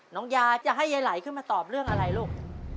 น้องยาจะให้ยายไหลขึ้นมาตอบเรื่องอะไรลูก